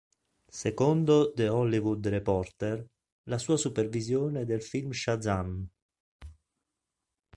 Secondo The Hollywood Reporter, la sua supervisione del film Shazam!